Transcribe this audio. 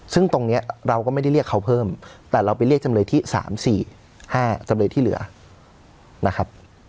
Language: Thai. ซึ่งตรงนี้เราก็ไม่ได้เรียกเขาเพิ่มแต่เราไปเรียกจำเลยที่๓๔๕จำเลยที่เหลือนะครับ